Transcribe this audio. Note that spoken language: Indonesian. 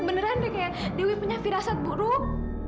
beneran deh kayak dewi punya firasat buruk